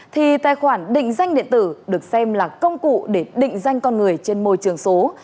thì tài khoản định danh điện tử được xem là công cụ để định danh con người trên môi trường số